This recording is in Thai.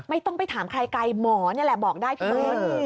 ไม่ต้องไปถามใครหมอเนี่ยแหละบอกได้เพิ่ง